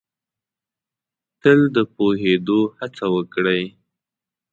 تل د پوهېدو هڅه وکړ ئ